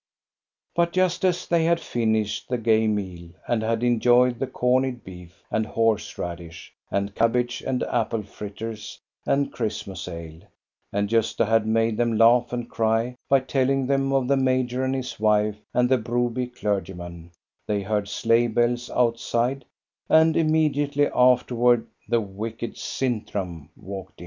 But just as they had finished the gay meal and had enjoyed the corned beef and horse radish and cabbage and apple fritters and Christmas ale, and Gosta had made them laugh and cry by telling them of the major and his wife and the Broby clergy man, they heard sleigh bells outside, and immedi ately afterward the wicked Sintram walked in.